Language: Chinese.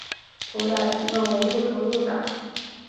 投打习惯为右投右打。